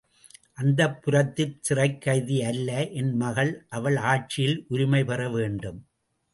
அந்தப்புரத்துச் சிறைக்கைதி அல்ல என் மகள் அவள் ஆட்சியில் உரிமை பெற வேண்டும்.